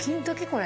これ。